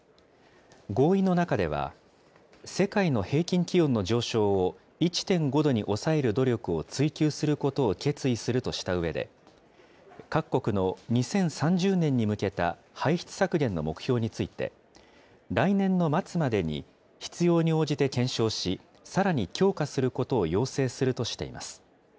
合意の中では、世界の平均気温の上昇を１．５度に抑える努力を追求することを決意するとしたうえで、各国の２０３０年に向けた排出削減の目標について、来年の末までに必要に応じて検証し、さらに強化することを要請するとしています。